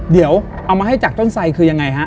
เดี๋ยวเอามาให้จากต้นไสคือยังไงฮะ